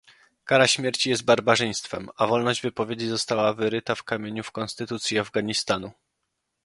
Kara śmierci jest barbarzyństwem, a wolność wypowiedzi została wyryta w kamieniu w konstytucji Afganistanu